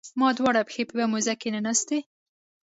ما دواړه پښې په یوه موزه کې ننویستي.